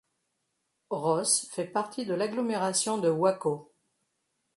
Ross fait partie de l’agglomération de Waco.